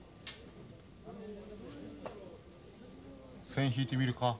線引いてみるか。